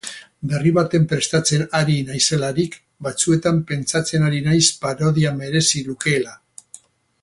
Berri baten prestatzen ari naizelarik, batzuetan pentsatzen ari naiz parodia merezi lukeela.